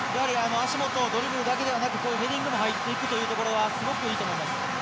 足元、ドリブルだけじゃなくてヘディングも入っていくというところはすごくいいと思います。